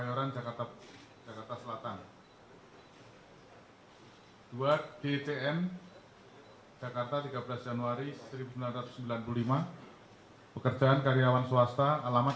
ya yang dari jabodetabek termasuk bandung mereka sekarang bergerak bersama sama